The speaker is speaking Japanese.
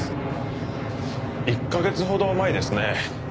１カ月ほど前ですね